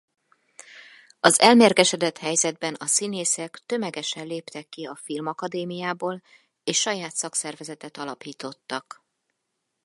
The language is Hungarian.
Az elmérgesedett helyzetben a színészek tömegesen léptek ki a Filmakadémiából és saját szakszervezetet alapítottak.